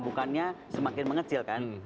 bukannya semakin mengecilkan